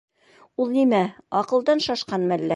Ул, нимә, аҡылдан шашҡанмы әллә?